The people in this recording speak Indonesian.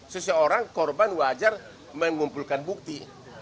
seseorang korban wajar mengumpulkan bukti